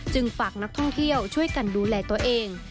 ฝากนักท่องเที่ยวช่วยกันดูแลตัวเอง